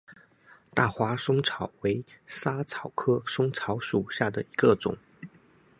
大花嵩草为莎草科嵩草属下的一个种。